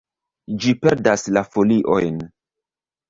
Ĝi perdas la foliojn.